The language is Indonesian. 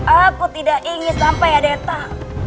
aku tidak ingin sampai ada yang tak